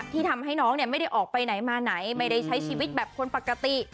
ทำให้น้องไม่ได้ออกไปไหนมาไหนไม่ได้ใช้ชีวิตแบบคนปกติ